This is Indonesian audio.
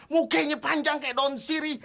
mukanya panjang seperti daun sirih